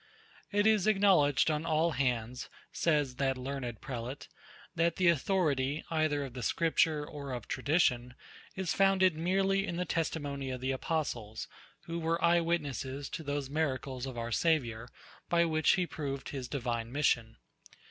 It is acknowledged on all hands, says that learned prelate, that the authority, either of the scripture or of tradition, is founded merely in the testimony of the apostles, who were eye witnesses to those miracles of our Saviour, by which he proved his divine mission.